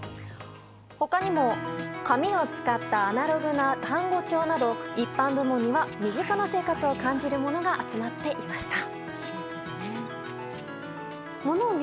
他にも紙を使ったアナログな単語帳など一般部門には身近な生活を感じるものが集まっていました。